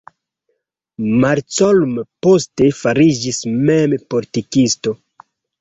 Malcolm poste fariĝis mem politikisto.